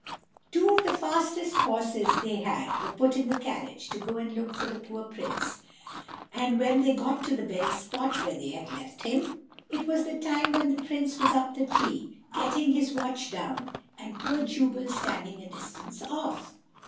Two of the fastest horses they had were put in the carriage, to go and look for the poor Prince; and when they got to the very spot where they left him, it was the time when the Prince was up the tree, getting his watch down, and poor Jubal standing a distance off.